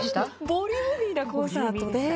ボリューミーなコンサートで。